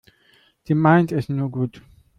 Sie meint es nur gut.